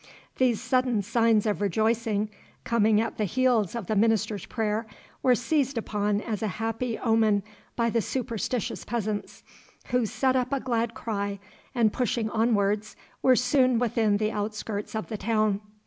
These sudden signs of rejoicing coming at the heels of the minister's prayer were seized upon as a happy omen by the superstitious peasants, who set up a glad cry, and pushing onwards were soon within the outskirts of the town.